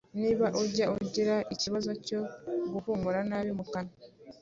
Niba ujya ugira ikibazo cyo guhumura nabi mu kanwa,